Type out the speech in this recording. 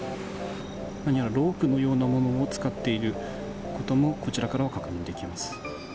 何やらロープのようなものを使っていることも、こちらからは確認